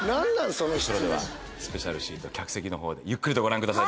それではスペシャルシート客席でゆっくりとご覧ください。